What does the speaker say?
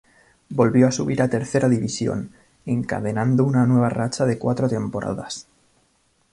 Volvió a subir a Tercera División, encadenando una nueva racha de cuatro temporadas.